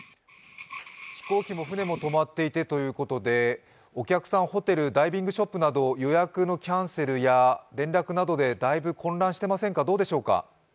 飛行機も船も止まっていてということでお客さん、ホテル、ダイビングショップなど予約のキャンセルや連絡などでだいぶ混乱してませんか？